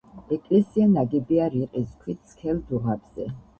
ეკლესია ნაგებია რიყის ქვით სქელ დუღაბზე.